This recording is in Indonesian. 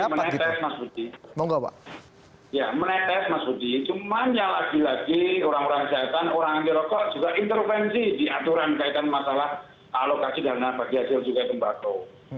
cuman ya lagi lagi orang orang jahatan orang yang dirokok juga intervensi di aturan kaitan masalah alokasi dana bagi hasil juga tembakau